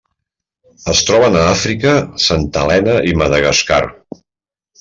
Es troben a Àfrica, Santa Helena i Madagascar.